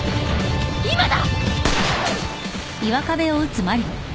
今だ！